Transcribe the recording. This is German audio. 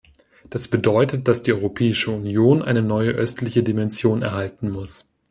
Das bedeutet, dass die Europäische Union eine neue östliche Dimension erhalten muss.